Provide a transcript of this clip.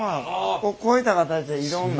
こういった形でいろんな。